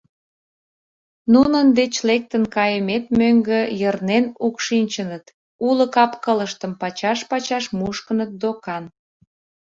Нунын деч лектын кайымет мӧҥгӧ йырнен укшинчыныт, уло кап-кылыштым пачаш-пачаш мушкыныт докан».